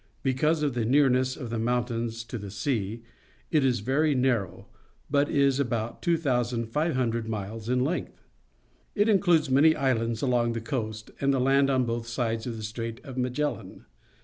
Because of the nearness of the mountains to the sea, it is very narrow, but it is about 2,500 miles in length. It includes many islands along the coast and the land on both sides of the Strait of Magellan.